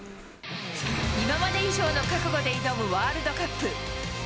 今まで以上の覚悟で挑むワールドカップ。